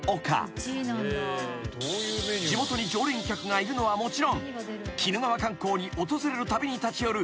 ［地元に常連客がいるのはもちろん鬼怒川観光に訪れるたびに立ち寄る